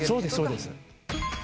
そうですそうです。